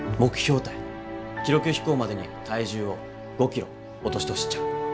記録飛行までに体重を５キロ落としてほしいっちゃ。